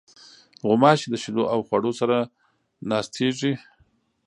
غوماشې د شیدو او خوړو سره ناستېږي.